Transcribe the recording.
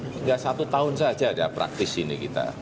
tinggal satu tahun saja ada praktis ini kita